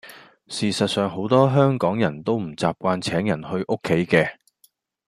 事實上好多香港人都唔習慣請人去屋企嘅